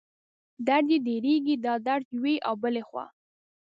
درد یې ډېرېږي، دا درد یوې او بلې خوا